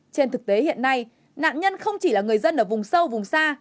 trên thực tế hiện nay nạn nhân không chỉ là người dân ở vùng sâu vùng xa